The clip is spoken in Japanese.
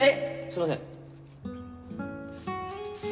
すいません。